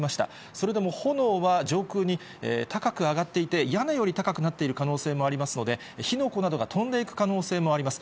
それでも炎は上空に高く上がっていて、屋根より高くなっている可能性もありますので、火の粉などが飛んでいく可能性もあります。